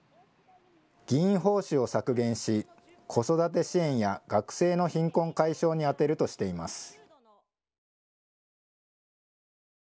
議員報酬を削減し、子育て支援や学生の貧困解消に充てるとしています。